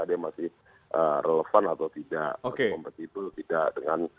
dijawab nanti bang